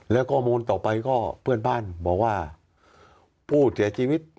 แล้วข้อมูลต่อไปก็เพื่อนบ้านบอกว่าผู้เสียชีวิต